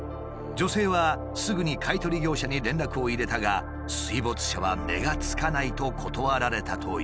女性はすぐに買い取り業者に連絡を入れたが水没車は値が付かないと断られたという。